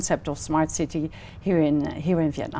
có rất nhiều giáo viên